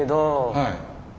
はい。